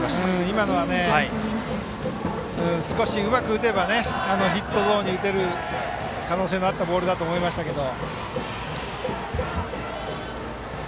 今のは少し、うまく打てばヒットゾーンに打てる可能性のあったボールだと思いましたけど。